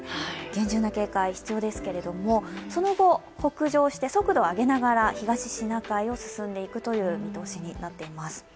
厳重な警戒が必要ですけれども、その後、北上して速度を上げながら東シナ海を進んでいくという見通しになっています。